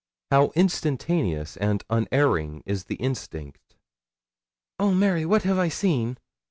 How instantaneous and unerring is the instinct! 'Oh, Mary, what have I seen!'